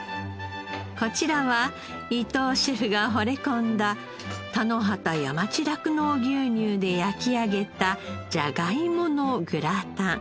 こちらは伊藤シェフがほれ込んだ田野畑山地酪農牛乳で焼き上げたじゃがいものグラタン。